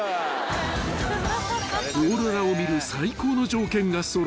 ［オーロラを見る最高の条件が揃った］